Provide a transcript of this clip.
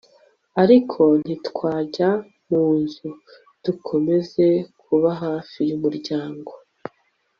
ariko ntitwajya munzu dukomeza kuba hafi yumuryango